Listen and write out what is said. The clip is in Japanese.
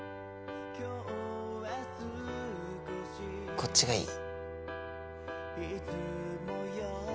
こっちがいい。